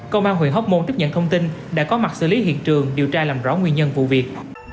công an huyện hóc môn tiếp nhận thông tin đã có mặt xử lý hiện trường điều tra làm rõ nguyên nhân vụ việc